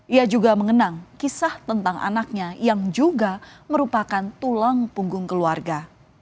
ia juga mengenang kisah tentang anaknya yang juga merupakan tulang punggung keluarga